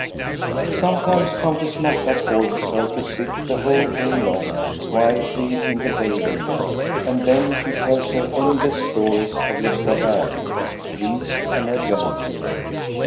Sometimes Countess Marta forces her to sit the whole day long quietly in the bay window, and then she tells her endless stories of Gosta Berling, priest and adventurer.